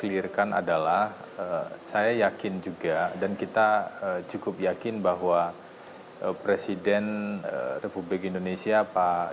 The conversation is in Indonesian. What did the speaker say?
pintanya bagaimana cara pimpinan ini mendesak atau mendorong kepada presiden misalnya untuk membentuk tgpf